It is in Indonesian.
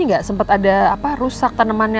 nggak sempat ada rusak tanamannya